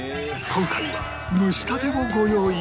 今回は蒸したてをご用意しました